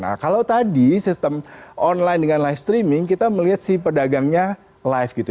nah kalau tadi sistem online dengan live streaming kita melihat si pedagangnya live gitu